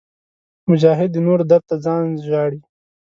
مجاهد د نورو درد ته ځان ژاړي.